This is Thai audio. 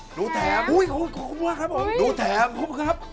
หนูแถมครับผมครับ